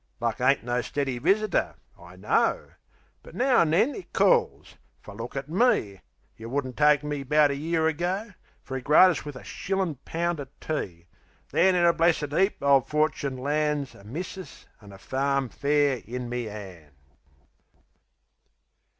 Luck ain't no steady visitor, I know; But now an' then it calls fer look at me! You wouldn't take me, 'bout a year ago, Free gratis wiv a shillin' pound o' tea; Then, in a blessed 'eap, ole Forchin lands A missus an' a farm fair in me 'ands.